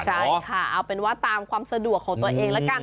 ใช่ค่ะเอาเป็นว่าตามความสะดวกของตัวเองแล้วกัน